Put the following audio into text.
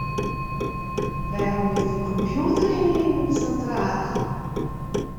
Wêrom is dyn kompjûter ynienen sa traach?